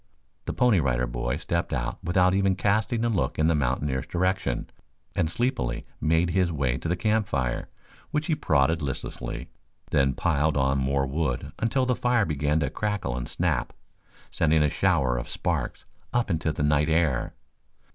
The Pony Rider Boy stepped out without even casting a look in the mountaineer's direction and sleepily made his way to the campfire, which he prodded listlessly, then piled on more wood until the fire began to crackle and snap, sending a shower of sparks up into the night air.